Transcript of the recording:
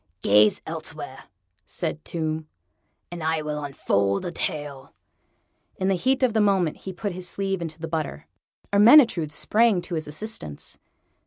"Gaze elsewhere," said Tomb, "and I will unfold a tale." In the heat of the moment he put his sleeve into the butter. Ermyntrude sprang to his assistance.